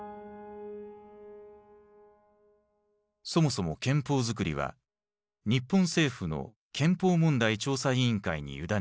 そもそも憲法づくりは日本政府の憲法問題調査委員会に委ねられていた。